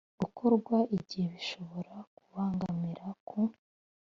gukorwa igihe bishobora kubangamira ku